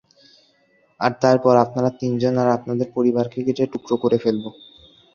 আর তারপর, আপনারা তিনজন আর আপনাদের পরিবারকে কেটে টুকরো করে ফেলব।